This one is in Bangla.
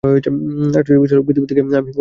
আশ্চর্যের বিষয় হল পৃথিবী থেকে আমি কখনো এটা দেখিনি।